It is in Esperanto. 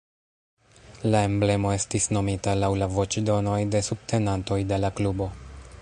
La emblemo estis nomita laŭ la voĉdonoj de subtenantoj de la klubo.